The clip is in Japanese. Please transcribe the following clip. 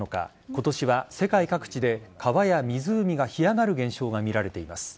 今年は世界各地で川や湖が干上がる現象が見られています。